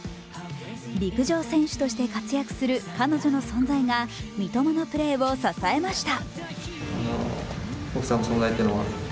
陸上選手として活躍する彼女の存在が三笘のプレーを支えました。